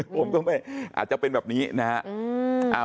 ผมก็ไม่อาจจะเป็นแบบนี้นะครับ